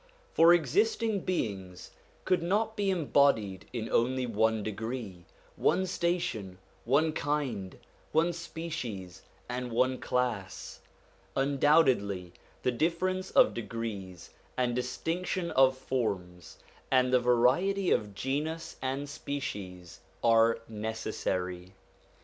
For existing beings could not be embodied in only one degree, one station, one kind, one species, and one class; undoubtedly the difference of degrees and distinction of forms, and the variety of genus and species, are necessary.